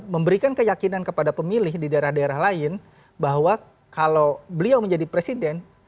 memberikan keyakinan kepada pemilih di daerah daerah lain bahwa kalau beliau menjadi presiden